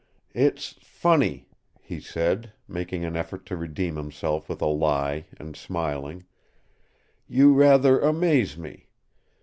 "It's funny," he said, making an effort to redeem himself with a lie and smiling. "You rather amaze me.